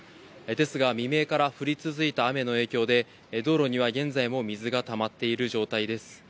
ですが未明から降り続いた雨の影響で道路には現在も水が溜まっている状態です。